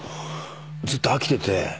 ずっと飽きてて。